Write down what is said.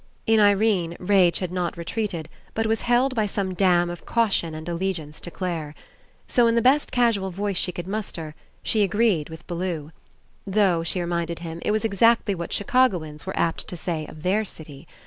In Irene, rage had not retreated, but was held by some dam of caution and allegiance to Clare. So, in the best casual voice she could muster, she agreed with Bellew. Though, she reminded him, it was exactly what Chicagoans were apt to say of their city.